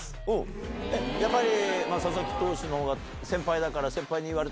やっぱり。